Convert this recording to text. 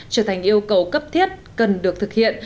trở thành yêu cầu cấp thiết cần được thực hiện